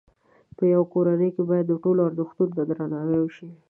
په یوه کورنۍ کې باید د ټولو ازرښتونو ته درناوی وشي.